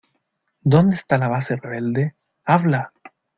¿ Dónde esta la base rebelde? ¡ habla!